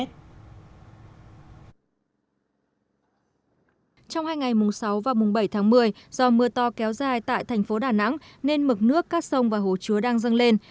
trong hai ngày mùng sáu và mùng bảy tháng một mươi do mưa to kéo dài tại thành phố đà nẵng nên mực nước các sông và hồ chứa đang dâng lên